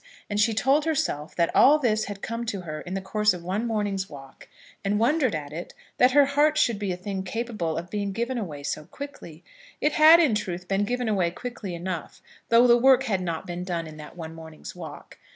And she told herself that all this had come to her in the course of one morning's walk, and wondered at it, that her heart should be a thing capable of being given away so quickly. It had, in truth, been given away quickly enough, though the work had not been done in that one morning's walk.